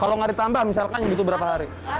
kalau hari tambah misalkan begitu berapa hari